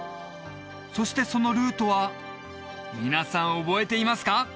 そしてそのルートは皆さん覚えていますか？